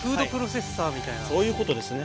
そういうことですね。